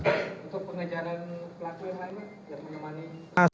untuk pengejaran pelaku yang lain biar menemani